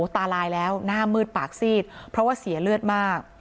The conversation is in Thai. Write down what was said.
ตาลายแล้วหน้ามืดปากซีดเพราะว่าเสียเลือดมาก